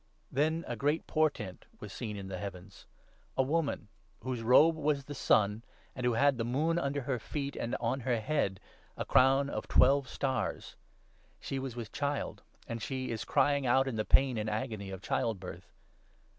Then a great portent was seen in the heavens — a woman i whose robe was the sun, and who had the moon under her feet, and on her head a crown of twelve stars. She was with 2 child ; and ' she is crying out in the pain and agony of child birth.'